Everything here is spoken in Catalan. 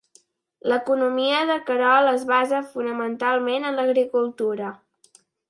L'economia de Querol es basa fonamentalment en l'agricultura.